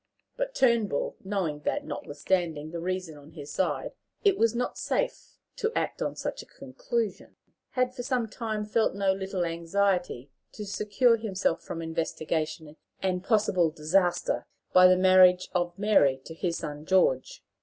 But Turnbull, knowing that, notwithstanding the reason on his side, it was not safe to act on such a conclusion, had for some time felt no little anxiety to secure himself from investigation and possible disaster by the marriage of Mary to his son George.